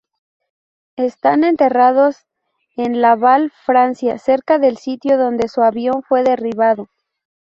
Están enterrados en Laval, Francia, cerca del sitio donde su avión fue derribado.